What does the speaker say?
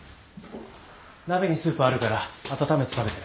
鍋にスープあるから温めて食べて。